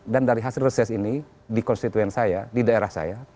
dan dari hasil reses ini di konstituen saya di daerah saya